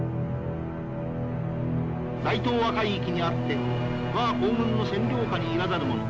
「大東亜海域にあって我が皇軍の占領下にいらざるもの